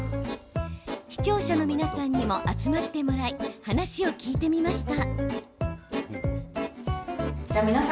視聴者の皆さんにも集まってもらい話を聞いてみました。